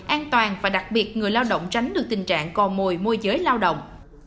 an toàn và đặc biệt người lao động tránh được tình trạng cò mồi môi giới lao động